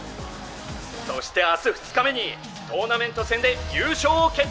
そして明日２日目にトーナメント戦で優勝を決定だ！